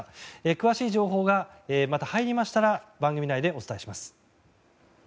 詳しい情報がまた入りましたら番組内でお伝えします。